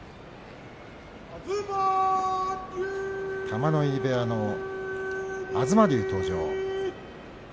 玉ノ井部屋の東龍が登場です。